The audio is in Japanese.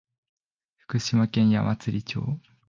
福島県矢祭町